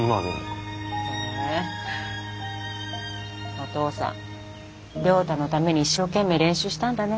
お父さん亮太のために一生懸命練習したんだね。